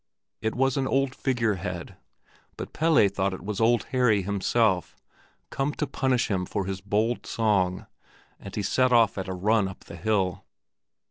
It was an old figure head, but Pelle thought it was Old Harry himself, come to punish him for his bold song, and he set off at a run up the hill.